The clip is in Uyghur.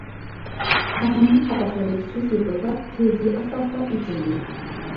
تاغامنىڭ قاپاقلىرى سۇس لىپىلداپ، كۆزى ئاستا-ئاستا ئېچىلدى.